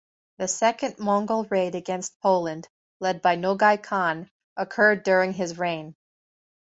The second Mongol raid against Poland, led by Nogai Khan, occurred during his reign.